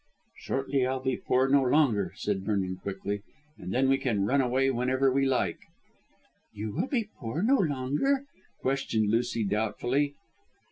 "Shortly I'll be poor no longer," said Vernon quickly, "and then we can run away whenever you like." "You will be poor no longer?" questioned Lucy doubtfully.